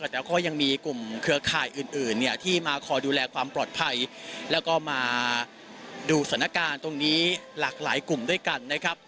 แต่ก็ยังมีกลุ่มเครือข่ายอื่นเนี่ยที่มาคอยดูแลความปลอดภัยแล้วก็มาดูสถานการณ์ตรงนี้หลากหลายกลุ่มด้วยกันนะครับ